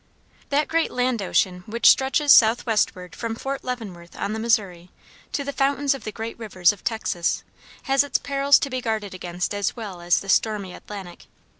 That great land ocean which stretches southwestward from Fort Leavenworth on the Missouri, to the fountains of the great rivers of Texas, has its perils to be guarded against as well as the stormy Atlantic.